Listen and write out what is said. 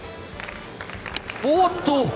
おっと！